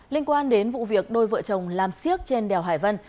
liên quan đến vụ việc đôi vợ chồng làm siếc trên đèo hải vân